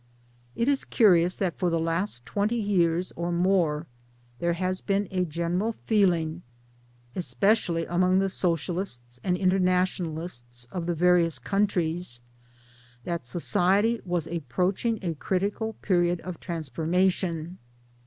It is curious that for the last twenty years or more there has been a general feeling especially among the Socialists and Internationalists of the various countries that society was approaching] a critical period of transformation.